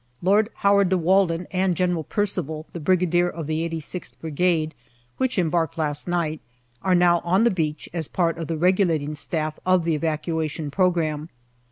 Lord Howard de Walden and General Percival, the Brigadier of the 86th Brigade, which embarked last night, are now on the beach as part of the regulating Staff of the evacua tion programme.